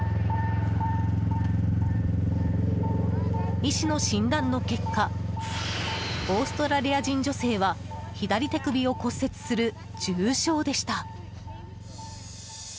医師の診断の結果オーストラリア人女性は左手首を骨折する重傷でした。